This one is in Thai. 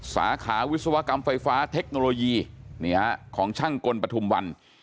สาขาวิศวกรรมไฟฟ้าเทคโนโลยีของช่างกลปฐุมวัน